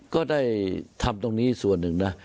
ก็ได้ทำตรงนี้ส่วนหนึ่งนะ